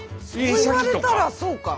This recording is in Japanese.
そう言われたらそうか。